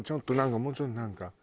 もうちょっとなんか。